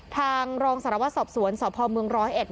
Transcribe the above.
ทางรองสารวัตรสอบสวนสพเมืองร้อยเอ็ด